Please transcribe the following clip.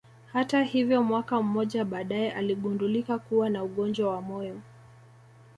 Hata hivyo mwaka mmoja baadaye aligundulika kuwa na ugonjwa wa moyo